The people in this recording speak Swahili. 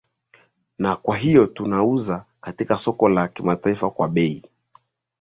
na kwa hiyo tunaiuza katika soko la kimataifa kwa bei